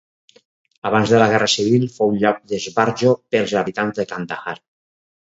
Abans de la guerra civil fou lloc d'esbarjo pels habitants de Kandahar.